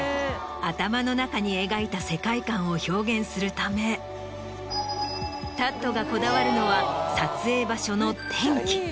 頭の中に描いた世界観を表現するためＴａｔがこだわるのは撮影場所の天気。